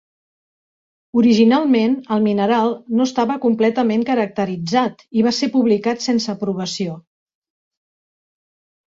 Originalment el mineral no estava completament caracteritzat i va ser publicat sense aprovació.